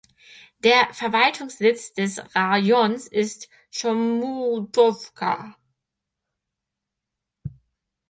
Der Verwaltungssitz des Rajons ist Chomutowka.